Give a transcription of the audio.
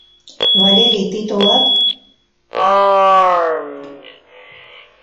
— Валерий, тый толат!